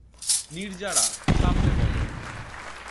নির্জারা, সামনে বলো।